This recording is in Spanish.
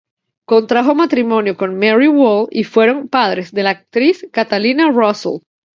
Contrajo matrimonio con Mary Wall y fueron padres de la actriz Catalina Russell.